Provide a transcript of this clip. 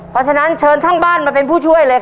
เพราะฉะนั้นเชิญทั้งบ้านมาเป็นผู้ช่วยเลยค่ะ